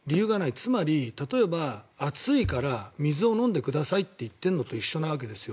つまり例えば暑いから水を飲んでくださいと言っているのと一緒なわけですよ。